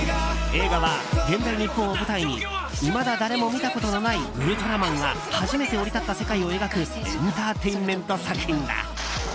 映画は現代日本を舞台にいまだ誰も見たことのないウルトラマンが初めて降り立った世界を描くエンターテインメント作品だ。